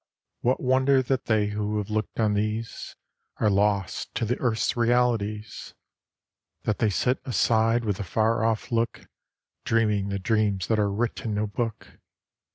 What wonder that they who have looked on these Are lost to the earth's realities! That they sit aside with a far off look Dreaming the dreams that are writ in no book!